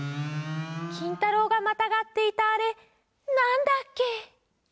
きんたろうがまたがっていたあれなんだっけ？